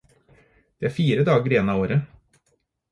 Det er fire dager igjen av året.